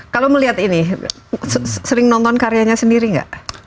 kalau melihat ini sering nonton karyanya sendiri nggak